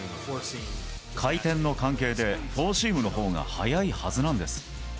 回転の関係で、フォーシームのほうが速いはずなんです。